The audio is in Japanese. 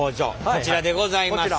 こちらでございます。